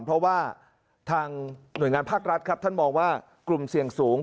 เพราะว่าทางหน่วยงานภาครัฐครับท่านมองว่ากลุ่มเสี่ยงสูง